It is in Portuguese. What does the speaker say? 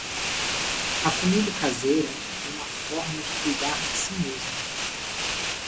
A comida caseira é uma forma de cuidar de si mesmo.